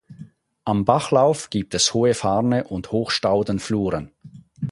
Am Bachlauf gibt es hohe Farne und Hochstaudenfluren.